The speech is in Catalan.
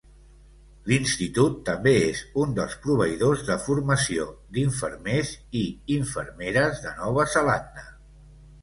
L'institut també és un dels proveïdors de formació d'infermers i infermeres de Nova Zelanda.